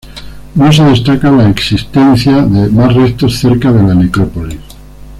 No se destaca la existencia de más restos cerca de la necrópolis.